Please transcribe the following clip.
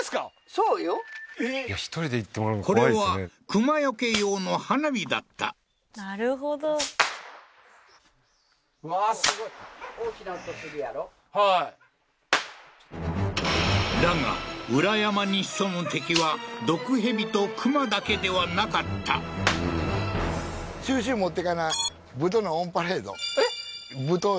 そうよこれは熊除け用の花火だったなるほどわあーすごいはいだが裏山に潜む敵は毒蛇と熊だけではなかったうんえっ？